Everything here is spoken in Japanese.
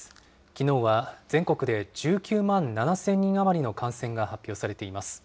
きのうは全国で１９万７０００人余りの感染が発表されています。